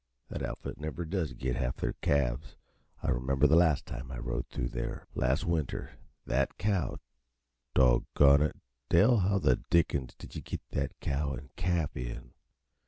"That outfit never does git half their calves. I remember the last time I rode through there last winter, that cow doggone it, Dell, how the dickens did you get that cow an' calf in?